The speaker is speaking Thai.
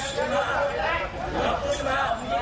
โชคดี